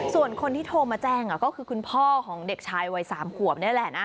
ส่วนคนที่โทรมาแจ้งก็คือคุณพ่อของเด็กชายวัย๓ขวบนี่แหละนะ